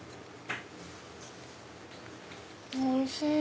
おいしい！